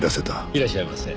いらっしゃいませ。